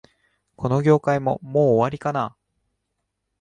この業界も、もう終わりかな